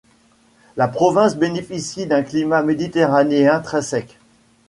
La province bénéficie d'un climat méditerranéen très sec.